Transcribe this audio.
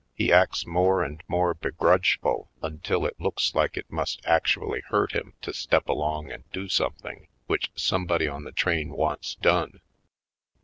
He acts more and more begrudgeful until it looks like it must actually hurt him to step along and do some thing which somebody on the train wants done.